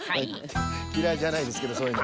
きらいじゃないですけどそういうの。